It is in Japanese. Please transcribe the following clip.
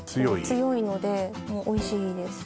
強いのでおいしいです